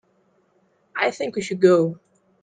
I think we should go.